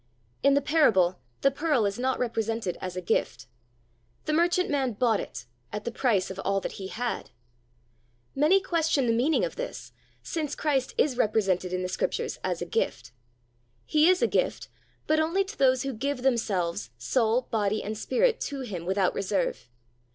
In the parable, the pearl is not represented as a gift. The merchantman bought it at the price of all that he had. Many question the meaning of this, since Christ is repre sented in the Scriptures as a gift. He is a gift, but only to those who give themselves, soul, body, and spirit, to Him without reserve.